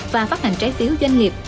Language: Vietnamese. và phát hành trái phiếu doanh nghiệp